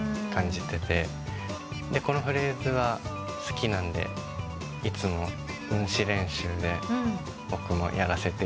このフレーズは好きなんでいつも運指練習で僕もやらせていただいてます。